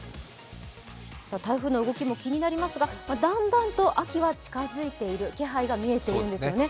台風の動きも気になりますが、だんだんと秋が近づいている、気配は見えているんですね。